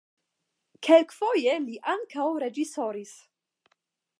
Kelkfoje li ankaŭ reĝisoris.